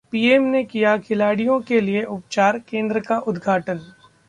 PM ने किया खिलाडि़यों के लिए उपचार केंद्र का उद्घाटन